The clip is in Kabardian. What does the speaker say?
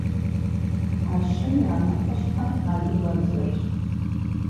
А щым я нэхъыщхьэр адыгэбзэрщ.